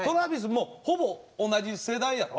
もうほぼ同じ世代やろ？